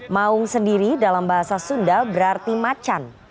maung sendiri dalam bahasa sunda berarti macan